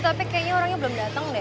tapi kayaknya orangnya belum datang deh